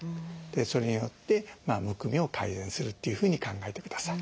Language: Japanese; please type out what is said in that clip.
それによってむくみを改善するっていうふうに考えてください。